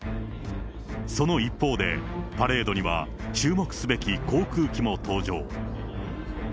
その一方で、パレードには注目すべき航空機も登場。